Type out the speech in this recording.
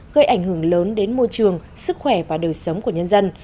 gây ảnh hưởng lớn đến môi trường sức khỏe và đời sống của nhân dân